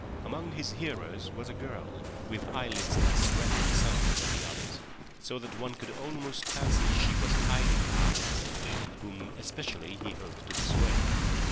Among his hearers was a girl, with eyelids less red and sunken than the others, so that one could almost fancy she was hiding eyes, whom especially he hoped to persuade.